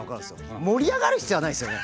盛り上がる必要はないですよね。